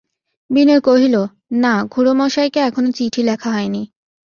বিনয় কহিল, না, খুড়োমশায়কে এখনো চিঠি লেখা হয় নি।